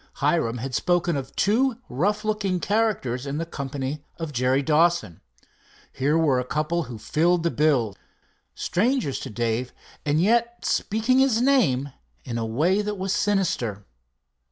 Hiram had spoken of two rough looking characters in the company of Jerry Dawson. Here were a couple who filled the bill, strangers to Dave, and yet speaking his name in a way that was sinister.